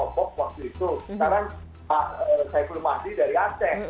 sekarang pak saiful mahdi dari aceh